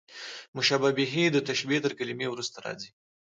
مشبه به، د تشبېه تر کلمې وروسته راځي.